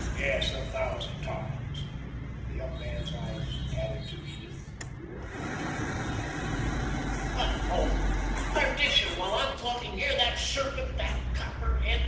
Yes, a thousand times!" the young man's eyes added to Edith only to her. "But oh! perdition! while I am talking here that serpent! that copperhead!